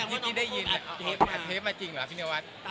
พี่ได้ยินอัดเทปมาจริงเหรอพี่เนวัต